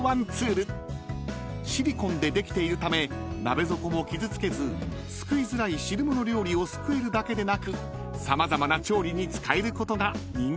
［シリコンでできているため鍋底も傷つけずすくいづらい汁物料理をすくえるだけでなく様々な調理に使えることが人気の理由なんです］